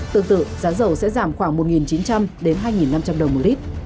tương tự giá dầu sẽ giảm khoảng một chín trăm linh đến hai năm trăm linh đồng một lít